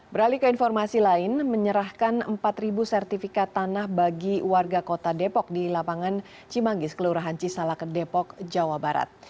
beralih ke informasi lain menyerahkan empat sertifikat tanah bagi warga kota depok di lapangan cimanggis kelurahan cisalak ke depok jawa barat